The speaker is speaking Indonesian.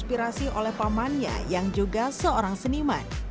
inspirasi oleh pamannya yang juga seorang seniman